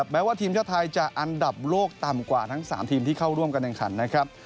แม้ว่าทีมชาติไทยจะอันดับโลกต่ำกว่าทั้ง๓ทีมที่เข้าร่วมการแข่งขันนะครับ